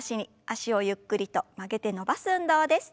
脚をゆっくりと曲げて伸ばす運動です。